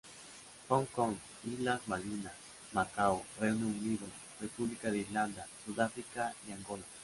Hong Kong, Islas Malvinas, Macao, Reino Unido, República de Irlanda, Sudáfrica y Angola.